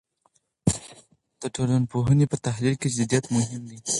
د ټولنپوهنې په تحلیل کې جدیت مهم دی.